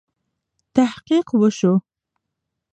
تحقیق وسو.